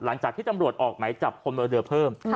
ล่างจากที่จังหลวดออกไหมจับคนในเรือเพิ่ม